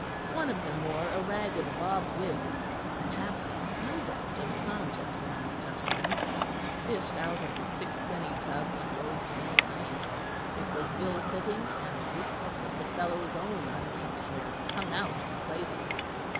One of them wore a ragged bob wig the cast off, no doubt, of some gentleman's gentleman, fished out of the sixpenny tub in Rosemary Lane; it was ill fitting, and wisps of the fellow's own unkempt hair hung out in places.